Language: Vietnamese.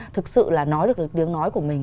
thực sự là nói được được tiếng nói của mình